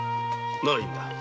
いいんだ。